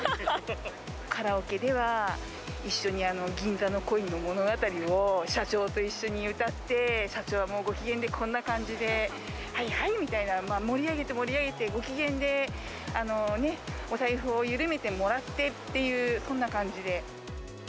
カラオケでは、一緒に銀座の恋の物語を社長と一緒に歌って、社長はもうご機嫌で、こんな感じで、はいはいみたいな、盛り上げて盛り上げて、ご機嫌でね、お財布を緩めてもらってっていう、そんな感じで。